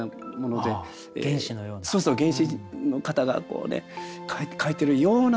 そうそう原始人の方がこうね描いてるような。